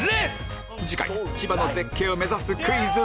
次回千葉の絶景を目指すクイズ！